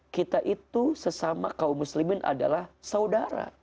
kita itu sesama kaum muslimin adalah saudara